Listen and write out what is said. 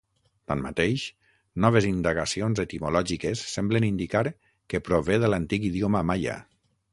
Tanmateix, noves indagacions etimològiques semblen indicar que prové de l'antic idioma maia.